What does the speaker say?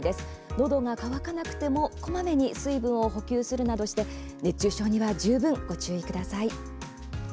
のどが渇かなくてもこまめに水分を補給するなどして熱中症には十分ご注意ください。